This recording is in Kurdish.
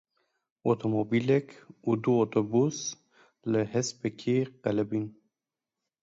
Otomobîlek û du otobûs li hespekî qelibîn.